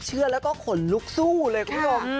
เชื่อแล้วก็ขนลุกสู้เลยคุณผู้ชม